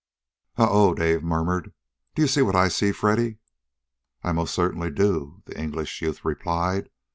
"Oh oh!" Dave murmured. "Do you see what I see, Freddy?" "I most certainly do," the English youth replied.